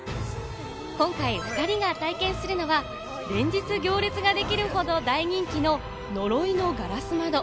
今回２人が体験するのは連日行列ができるほど大人気の呪いの硝子窓。